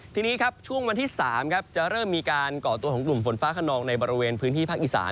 ทีนี้ครับช่วงวันที่๓จะเริ่มมีการก่อตัวของกลุ่มฝนฟ้าขนองในบริเวณพื้นที่ภาคอีสาน